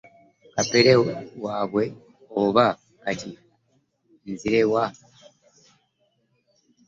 Kapere waabwe oba kati nzire wa!